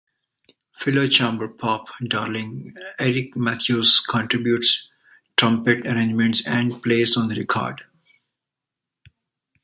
Fellow chamber-pop darling Eric Matthews contributes trumpet arrangements and plays on the record.